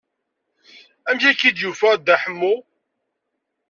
Amek ay k-id-yufa Dda Ḥemmu?